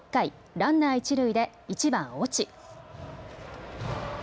ランナー、一塁で１番・越智。